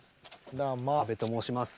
阿部ともうします。